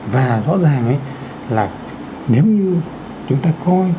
và rõ ràng là nếu như chúng ta coi